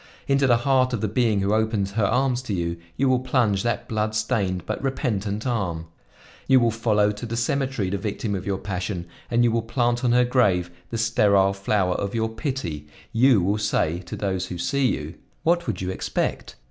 Into the heart of the being who opens her arms to you, you will plunge that blood stained but repentant arm; you will follow to the cemetery the victim of your passion, and you will plant on her grave the sterile flower of your pity; you will say to those who see you: 'What would you expect?